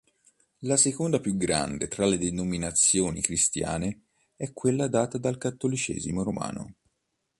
La seconda più grande tra le denominazioni cristiane è quella data dal cattolicesimo romano.